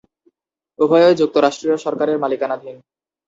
উভয়ই যুক্তরাষ্ট্রীয় সরকারের মালিকানাধীন।